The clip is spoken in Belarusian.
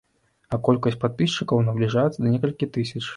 А колькасць падпісчыкаў набліжаецца да некалькі тысяч.